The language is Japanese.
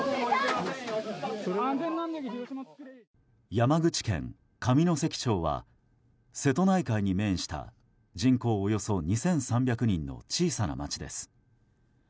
山口県上関町は瀬戸内海に面した人口およそ２３００人の小さな町です。